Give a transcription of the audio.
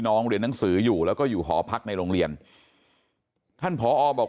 เรียนหนังสืออยู่แล้วก็อยู่หอพักในโรงเรียนท่านผอบอก